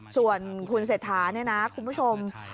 ส่วนคุณเศรษฐาเนี่ยนะคุณผู้ชม